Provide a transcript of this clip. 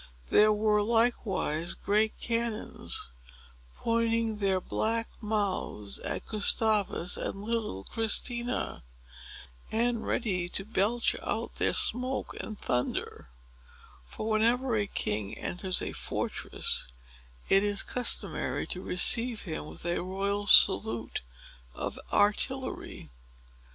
There were likewise great cannons, pointing their black mouths at Gustavus and little Christina, and ready to belch out their smoke and thunder; for whenever a king enters a fortress it is customary to receive him with a royal salute of artillery.